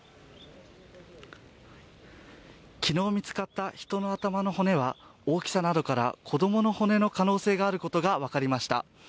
昨日見つかった人の頭の骨は大きさなどから子供の骨の可能性があることが分かりました。